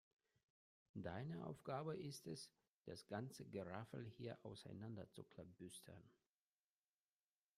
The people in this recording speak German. Deine Aufgabe ist es, das ganze Geraffel hier auseinander zu klabüstern.